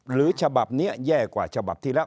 ฉบับนี้แย่กว่าฉบับที่แล้ว